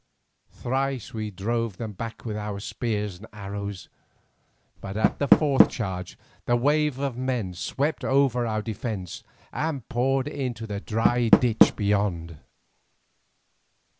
Thrice we drove them back with our spears and arrows, but at the fourth charge the wave of men swept over our defence, and poured into the dry ditch beyond.